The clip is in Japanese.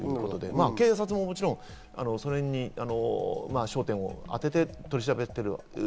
警察ももちろん、その辺に焦点を当てて取り調べている。